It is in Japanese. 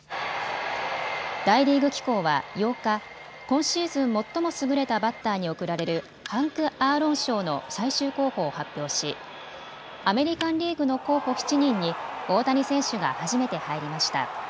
大リーグ機構は８日、今シーズン最も優れたバッターに贈られるハンク・アーロン賞の最終候補を発表しアメリカンリーグの候補７人に大谷選手が初めて入りました。